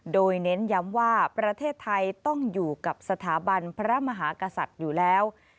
โดยเน้นย้ำว่าประเทศไทยต้องอยู่กับสถาบันพระมหากษัตริย์อยู่แล้ว